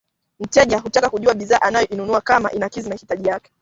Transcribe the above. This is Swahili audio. mteja hutaka kujua bidhaa anayoinunua kama inakidhi mahitaji yake